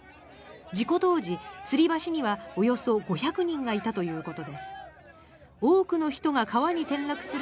事故当時、つり橋にはおよそ５００人がいたということです。